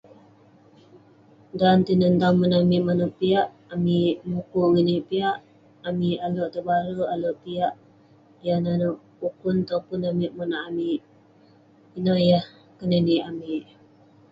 Dan tinen tamen amik manouk piak, amik mukuk ngeninik piak, amik alek tebarek, alek piak..yah nanouk ukun topun amik monak amik..Ineh yah keninik amik..